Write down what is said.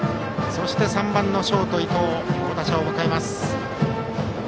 そして、３番のショート伊藤と強打者を迎えました。